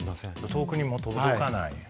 遠くにも届かない。